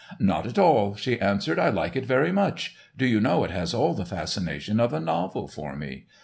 "Not at all," she answered, "I like it very much, do you know it has all the fascination of a novel for me.